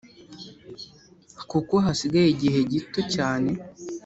kuko hasigaye igihe gito cyane,